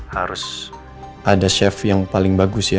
harus ada chef yang paling bagus ya